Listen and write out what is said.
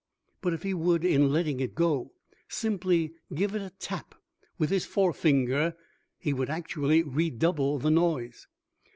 But if he would in letting it go simply give it a tap with his forefinger he would actually redouble the noise.